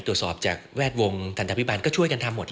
ตรวจสอบจากแวดวงทันตภิบาลก็ช่วยกันทำหมด